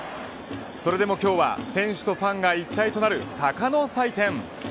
それでも今日は選手とファンが一体となる鷹の祭典。